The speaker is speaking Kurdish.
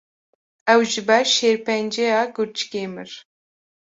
Ew ji ber şêrpenceya gurçikê mir.